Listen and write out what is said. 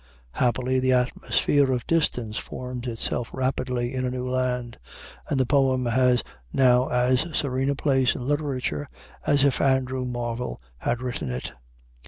Happily the atmosphere of distance forms itself rapidly in a new land, and the poem has now as serene a place in literature as if Andrew Marvell had written it.